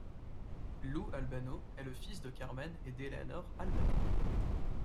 Lou Albano est le fils du Carmen et d'Eleanor Albano.